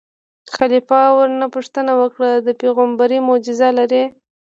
خلیفه ورنه پوښتنه وکړه: د پېغمبرۍ معجزه لرې.